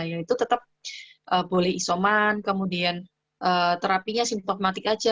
ya itu tetap boleh isoman kemudian terapinya simptomatik saja